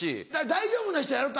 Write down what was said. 大丈夫な人やろ？